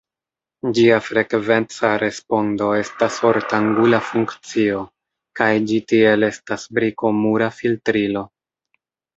Ĝia frekvenca respondo estas ortangula funkcio, kaj ĝi tiel estas briko-mura filtrilo.